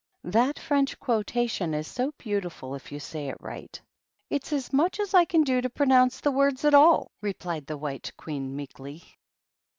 " That French quotation is so beautifiil if you say it right/' "It's as much as I can do to pronounce the words at all," replied the White Queen, meekly.